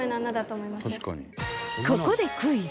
ここでクイズ